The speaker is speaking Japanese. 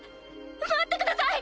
待ってください！